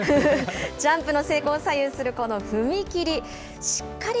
ジャンプの成功を左右するこの踏み切り。